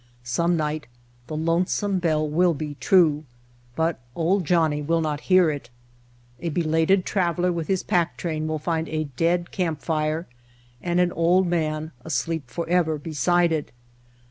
Some night the Lonesome Bell will be true, but "Old Johnnie" will not hear it. A belated trav eler with his pack train will find a dead camp fire and an old man asleep forever beside it.